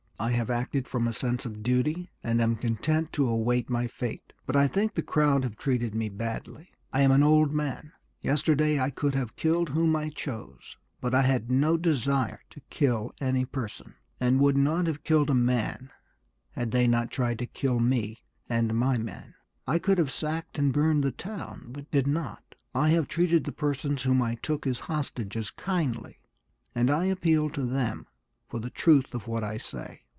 I have acted from a sense of duty, and am content to await my fate; but I think the crowd have treated me badly. I am an old man. Yesterday I could have killed whom I chose; but I had no desire to kill any person, and would not have killed a man had they not tried to kill me and my men. I could have sacked and burned the town, but did not; I have treated the persons whom I took as hostages kindly, and I appeal to them for the truth of what I say.